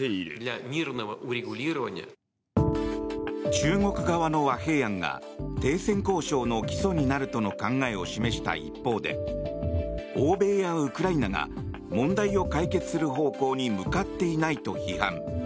中国側の和平案が停戦交渉の基礎になるとの考えを示した一方で欧米やウクライナが問題を解決する方向に向かっていないと批判。